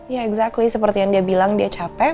ya exactly seperti yang dia bilang dia capek